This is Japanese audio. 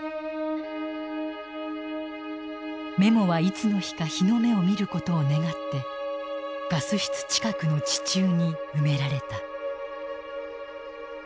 メモはいつの日か日の目を見ることを願ってガス室近くの地中に埋められた。